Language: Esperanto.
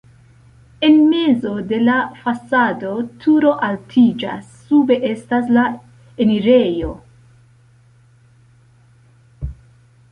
En mezo de la fasado turo altiĝas, sube estas la enirejo.